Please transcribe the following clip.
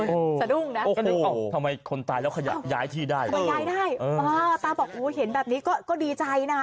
สะดุ้งนะโอ้โหทำไมคนตายแล้วขยายที่ได้ทำไมย้ายได้ตาบอกโอ้โหเห็นแบบนี้ก็ดีใจนะ